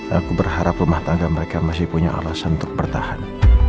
aku berharap rumah tangga mereka masih punya alasan untuk bertahan